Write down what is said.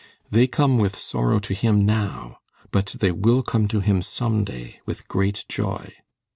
They come with sorrow to him now, but they will come to him some day with great joy."